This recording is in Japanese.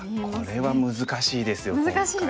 これは難しいですよ今回は。